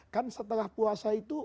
kan setelah puasa itu